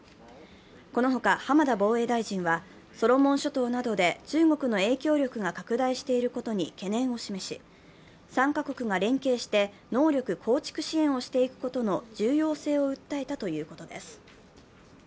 このほか、浜田防衛大臣はソロモン諸島などで中国の影響力が拡大していることに懸念を示し３か国が連携して能力構築支援をしていくことの重要性を訴えたということです。